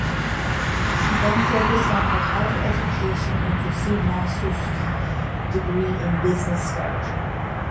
She then focused on her higher education and pursued masters degree in business strategy.